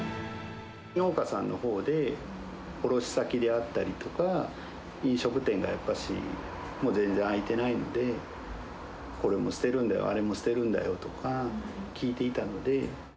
農家さんのほうで、卸先であったりとか、飲食店がやっぱしもう全然開いてないので、これも捨てるんだよとか、あれも捨てるんだよとか聞いていたので。